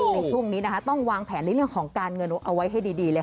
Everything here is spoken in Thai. ในช่วงนี้นะคะต้องวางแผนในเรื่องของการเงินเอาไว้ให้ดีเลยค่ะ